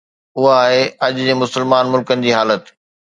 اها آهي اڄ جي مسلمان ملڪن جي حالت.